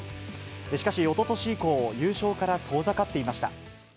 しかしおととし以降、優勝から遠ざかっていました。